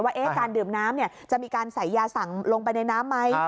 ว่าการดื่มน้ำจะมีการใส่ยาสั่งลงไปในน้ำไหม